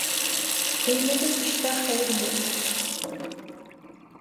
ھىيلىلىك ئىشتا خەير يوق.